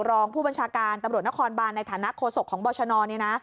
รองผู้บัญชาการตำรวจนครบานในฐานะโคศกของบรชนอนเนี่ยนะ